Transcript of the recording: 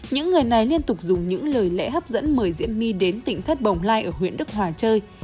những người này liên tục dùng những lời lẽ hấp dẫn mời diễm my đến tỉnh thất bồng lai ở huyện đức hòa chơi